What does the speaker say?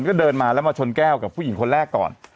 ก็เดินมาแล้วมาชนแก้วกับผู้หญิงคนแรกก่อน